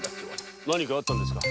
何かあったんですか？